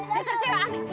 biasa cewek aneh